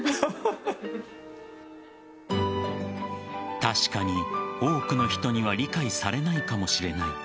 確かに、多くの人には理解されないかもしれない。